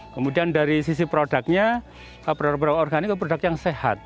kemudian dari sisi produknya produk produk organik itu produk yang sehat